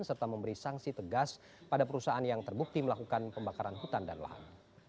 serta memberi sanksi tegas pada perusahaan yang terbukti melakukan pembakaran hutan dan lahan